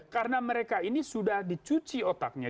karena mereka ini sudah dicuci otaknya